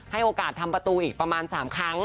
ให้โอกาสทำประตูอีกประมาณ๓ครั้ง